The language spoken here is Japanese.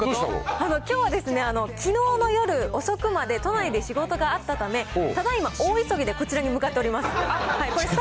きょうはですね、きのうの夜遅くまで都内で仕事があったため、ただいま大急ぎでこちらに向かっております。